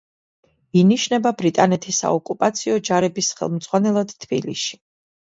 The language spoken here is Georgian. ინიშნება ბრიტანეთის საოკუპაციო ჯარების ხელმძღვანელად თბილისში.